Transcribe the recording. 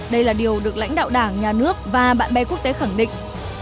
đây là điều được lãnh đạo đảng nhà nước và bạn bè quốc tế khẳng định